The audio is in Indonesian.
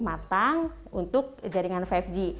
yang pertama adalah jaringan lima g